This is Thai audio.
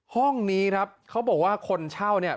ห้องนี้เขาบอกว่าคนเช่า